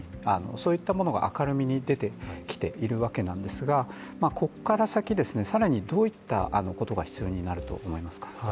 そういったものが明るみに出てきているわけなんですが、ここから先、更にどういったことが必要になると思いますか？